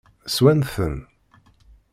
Swan-ten?